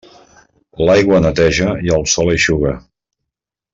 L'aigua neteja i el sol eixuga.